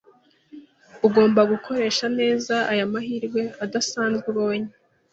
Ugomba gukoresha neza aya mahirwe adasanzwe ubonye.